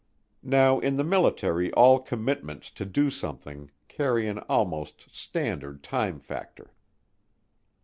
Now in the military all commitments to do something carry an almost standard time factor.